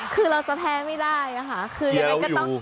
คือเราจะแพ้ไม่ได้ค่ะคือยังไงก็ต้องเขียวอยู่